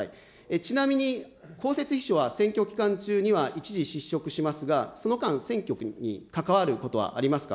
ちなみに公設秘書は選挙期間中には一時失職しますが、その間、選挙区に関わることはありますか。